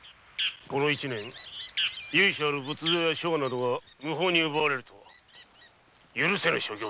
この一年由緒ある仏像や書画などが無法に奪われるとは許せぬ所業。